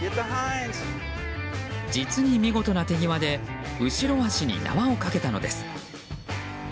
実に見事な手際で後ろ足に縄をかけたのです。